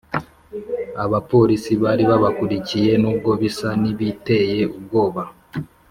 Abapolisi bari babakurikiye nubwo bisa n ibiteye ubwoba